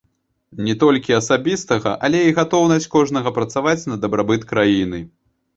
Не толькі асабістага, але і гатоўнасць кожнага працаваць на дабрабыт краіны.